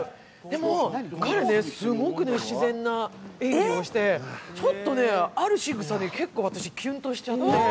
でも彼、すごく自然な演技をして、ちょっとね、あるしぐさで結構私、キュンとしちゃって。